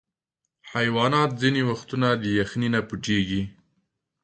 حیوانات ځینې وختونه د یخني نه پټیږي.